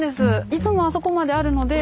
いつもあそこまであるので。